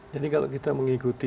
jadi kalau kita mengikuti